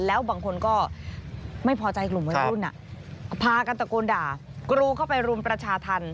แล้วบางคนก็ไม่พอใจกลุ่มวัยรุ่นพากันตะโกนด่ากรูเข้าไปรุมประชาธรรม